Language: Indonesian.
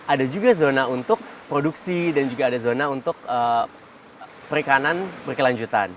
ada juga zona untuk produksi dan juga ada zona untuk perikanan berkelanjutan